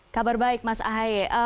kabar baik mas ahaye